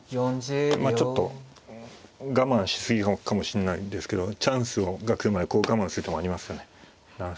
まあちょっと我慢し過ぎかもしんないですけどチャンスが来るまでこう我慢する手もありますよね。